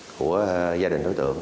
của gia đình đối tượng